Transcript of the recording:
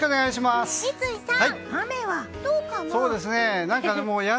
三井さん、雨はどうかな？